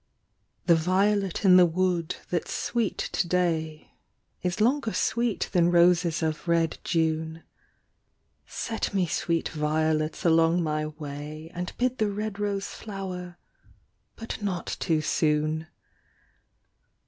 The violet in the wood, that's sweet to day, Is longer sweet than roses of red June ; Set me sweet violets along my way, And bid the red rose flower, but not too soon.